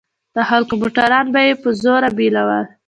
د خلکو موټران به يې په زوره بيول.